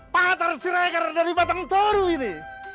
pak tar sirekar dari batang toru ini